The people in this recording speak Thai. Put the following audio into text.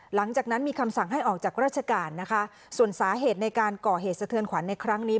หลังจากนั้นมีคำสั่งให้ออกจากราชการนะคะส่วนสาเหตุในการก่อเหตุสะเทือนขวัญในครั้งนี้